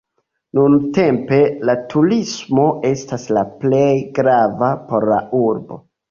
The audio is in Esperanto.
Nuntempe la turismo estas la plej grava por la urbo.